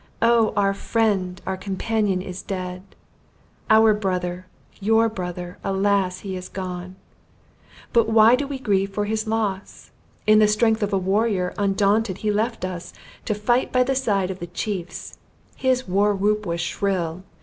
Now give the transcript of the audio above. Oh! our friend, our companion is dead! Our brother, your brother, alas! he is gone! But why do we grieve for his loss? In the strength of a warrior, undaunted he left us, to fight by the side of the Chiefs! His war whoop was shrill!